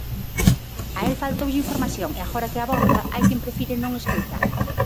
A el faltoulle información, e agora que abonda, hai quen prefire non escoitar.